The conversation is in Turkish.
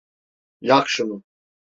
Yak şunu!